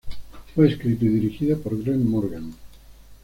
Fue escrito y dirigido por Glen Morgan.